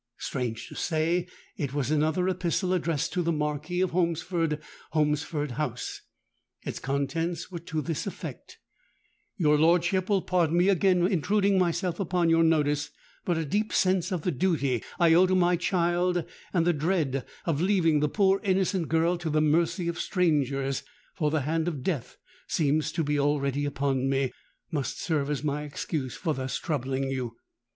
Strange to say, it was another epistle addressed 'To the Marquis of Holmesford, Holmesford House.' Its contents were to this effect:—'Your lordship will pardon me for again intruding myself upon your notice; but a deep sense of the duty I owe to my child, and the dread of leaving the poor innocent girl to the mercy of strangers—for the hand of Death seems to be already upon me—must serve as my excuse for thus troubling you.